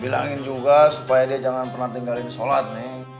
bilangin juga supaya dia jangan pernah tinggalin sholat nih